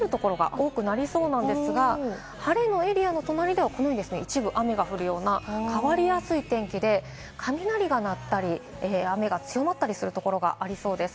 その他、西日本はというと、今日は晴れる所が多くなりそうなんですが、晴れのエリアの隣では一部、雨が降るような変わりやすい天気で雷が鳴ったり、雨が強まったりするところがありそうです。